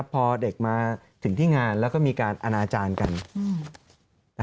พอเด็กมาถึงที่งานแล้วก็มีการอนาจารย์กัน